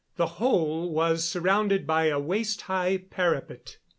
The whole was surrounded by a waist high parapet.